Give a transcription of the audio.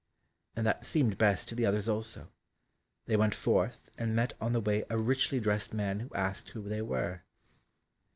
And that seemed best to the others also. They went forth, and met on the way a richly dressed man who asked who they were.